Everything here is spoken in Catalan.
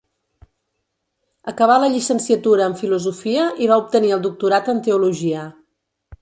Acabà la llicenciatura en filosofia i va obtenir el doctorat en teologia.